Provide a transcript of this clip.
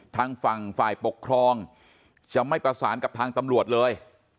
ทางฝั่งฝ่ายปกครองจะไม่ประสานกับทางตำรวจเลย